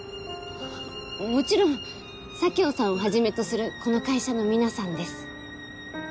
もちろん佐京さんをはじめとするこの会社の皆さんです